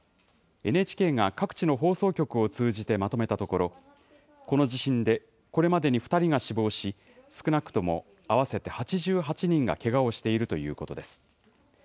ＮＨＫが各地の放送局を通じてまとめたところ、この地震でこれまでに２人が死亡し、少なくとも合わせて８８人がけがをしているということです。